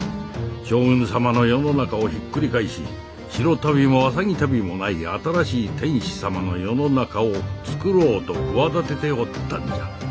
将軍様の世の中をひっくり返し白足袋も浅葱足袋もない新しい天子様の世の中をつくろうと企てておったんじゃ。